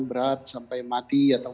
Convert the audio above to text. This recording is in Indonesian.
berat sampai mati atau